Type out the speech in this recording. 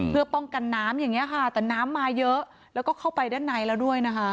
เพื่อป้องกันน้ำอย่างนี้ค่ะแต่น้ำมาเยอะแล้วก็เข้าไปด้านในแล้วด้วยนะคะ